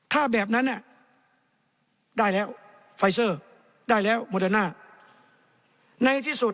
ถ้าแบบนั้น